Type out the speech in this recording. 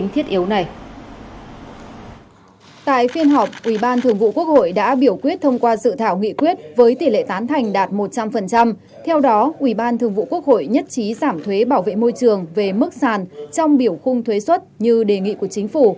theo đó ubthqh nhất trí giảm thuế bảo vệ môi trường về mức sàn trong biểu khung thuế xuất như đề nghị của chính phủ